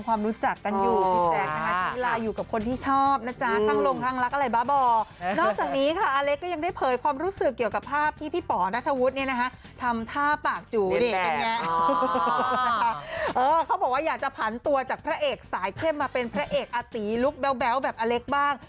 เขาบอกว่าอยากจะผันตัวจากพระเอกสายเข้มมาเป็นพระเอกอาตีลุคแบ๊วแบบอเล็กบ้าง